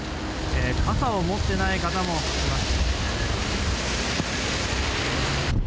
傘を持ってない方もいます。